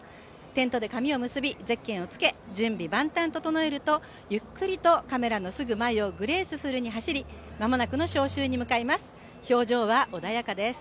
テントで髪を結び、ゼッケンをつけ、準備万端整えるとゆっくりとカメラのすぐ前をグレースフルに走りまもなくの招集に向かいます。